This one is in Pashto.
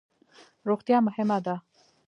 روغتیا مهمه ده